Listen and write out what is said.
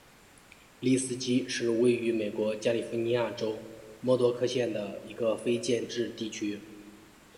利斯基是位于美国加利福尼亚州莫多克县的一个非建制地区。